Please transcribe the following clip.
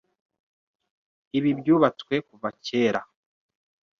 Ibi byubatswe kuva kera .